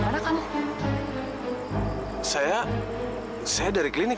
udah kamu jangan bohong